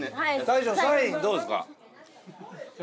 大将サインどうですか？